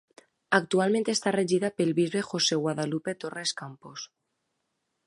Actualment està regida pel bisbe José Guadalupe Torres Campos.